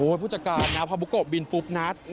โอ้โฮพลุธิการนะพระบุกโกะบินปุ๊บนัด